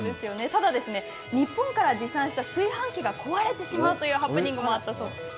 ただ、日本から持参した炊飯器が壊れてしまうというハプニングもあったそうです。